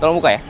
tolong buka ya